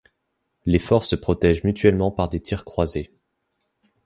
Les forts se protègent mutuellement par des tirs croisés.